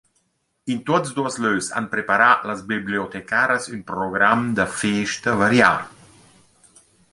In tuots duos lös han preparà las bibliotecaras ün program da festa varià.